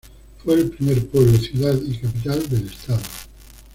Fue el primer pueblo, ciudad y capital del estado.